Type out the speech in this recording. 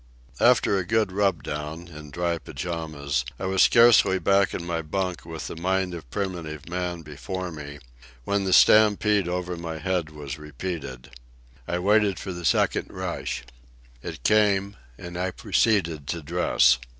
After a good rub down, in dry pyjamas, I was scarcely back in my bunk with the Mind of Primitive Man before me, when the stampede over my head was repeated. I waited for the second rush. It came, and I proceeded to dress.